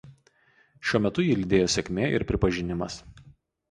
Šiuo metu jį lydėjo sėkmė ir pripažinimas.